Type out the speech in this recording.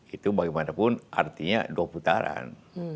itu bagaimanapun artinya dua putaran